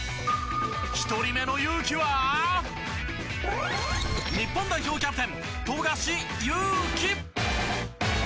１人目のユウキは日本代表キャプテン富樫勇樹。